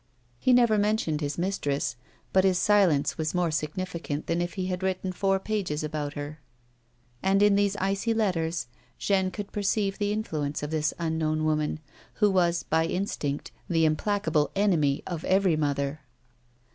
He never mentioned his mistress, but his silence was more significant than if he had written four pages about her; and, in these icy letters, Jeanne could perceive the in fluence of this unknown woman who was, by instinct, the implacable enemy of every mother.